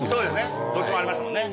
どっちもありましたもんね。